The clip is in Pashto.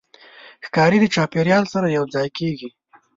ښکاري د چاپېریال سره یوځای کېږي.